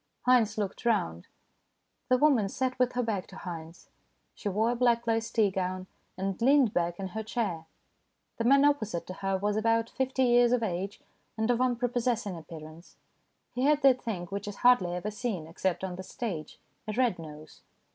Haynes looked round. The woman sat with her back to Haynes. She wore a black lace tea gown, and leaned back in her i88 STORIES IN GREY chair. The man opposite to her was about fifty years of age, and of unprepossessing appearance. He had that thing which is hardly ever seen, except on the stage a red nose.